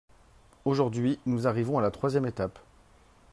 Aujourd’hui, nous arrivons à la troisième étape.